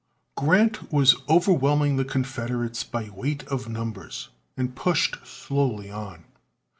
Grant was overwhelming the Confederates by weight of numbers, and pushed slowly on.